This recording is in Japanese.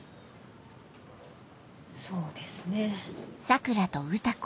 そうですね。